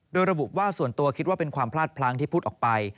โดยระบุว่าส่วนตัวคิดว่าเป็นความพลาดพลั้งที่พูดออกไป